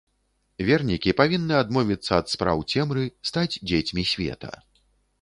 Вернікі павінны адмовіцца ад спраў цемры, стаць дзецьмі света.